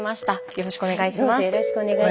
よろしくお願いします。